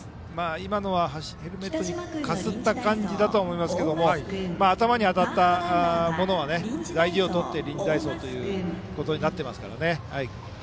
今のはヘルメットにかすった感じだとは思いますけど頭に当たったものは大事を取って臨時代走となっていますから。